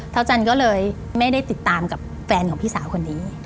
อาจารย์ก็เลยไม่ได้ติดตามกับแฟนของพี่สาวคนนี้